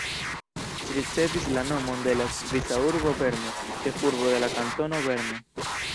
Ĝi ricevis la nomon de la svisa urbo Berno, ĉefurbo de la kantono Berno.